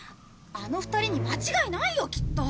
あの２人に間違いないよきっと！